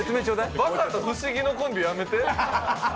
バカと不思議のコンビ、やめて。